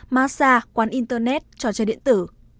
massage quán internet trò chơi điện tử